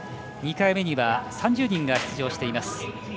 ２回目には３０人が出場しています。